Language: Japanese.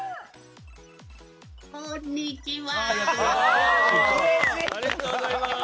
こんにちは！